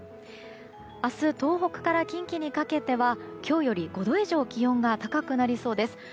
明日、東北から近畿にかけては今日より５度以上気温が高くなりそうです。